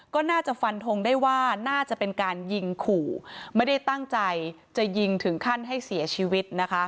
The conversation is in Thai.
ก็น่าจะฟันทงได้ว่าน่าจะเป็นการยิงขู่ไม่ได้ตั้งใจจะยิงถึงขั้นให้เสียชีวิตนะคะ